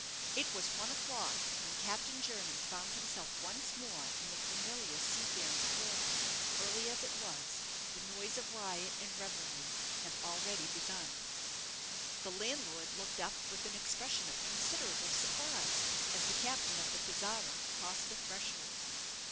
It was one o'clock when Captain Jernam found himself once more in the familiar seafaring quarter; early as it was, the noise of riot and revelry had begun already. The landlord looked up with an expression of considerable surprise as the captain of the 'Pizarro' crossed the threshold.